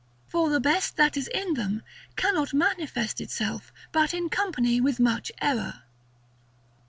For the best that is in them cannot manifest itself, but in company with much error.